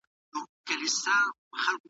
کومه څېړنه چې پاکه وي هغه تل پاتې کېږي.